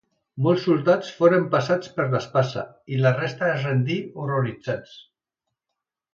Molts soldats foren passats per l'espasa, i la restà es rendí horroritzats.